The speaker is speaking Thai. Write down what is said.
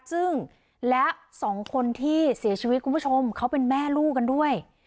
ซึ่งและสองคนที่เสียชีวิตคุณผู้ชมเขาเป็นแม่ลูกกันด้วย